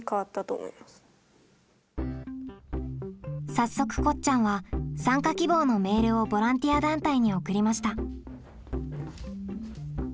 早速こっちゃんは参加希望のメールをボランティア団体に送りました。